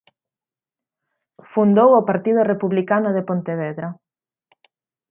Fundou o Partido Republicano de Pontevedra.